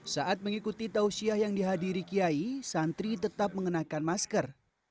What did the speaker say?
saat mengikuti tausiah yang dihadiri kiai santri tetap mengenakan masker